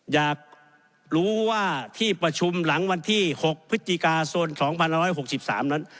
อยากรู้ว่าที่ประชุมหลังวันที่๖พฤศจิกายน๒๑๖๓นั้น